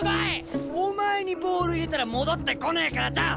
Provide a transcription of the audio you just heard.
お前にボール入れたら戻ってこねえからだ！